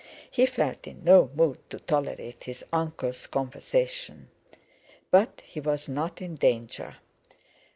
He felt in no mood to tolerate his uncle's conversation. But he was not in danger.